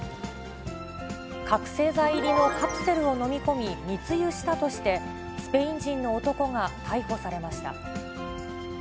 覚せい剤入りのカプセルを飲み込み、密輸したとして、スペイン人の男が逮捕されました。